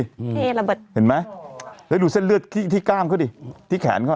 นี่ระเบิดเห็นไหมแล้วดูเส้นเลือดที่ที่กล้ามเขาดิที่แขนเขา